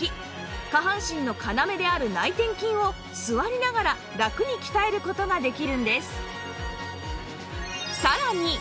下半身の要である内転筋を座りながらラクに鍛える事ができるんです